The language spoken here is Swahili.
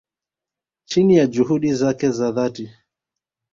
chini ya juhudi zake za dhati